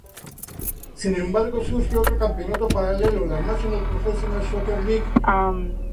Sin embargo, surge otro campeonato paralelo, la "National Professional Soccer League".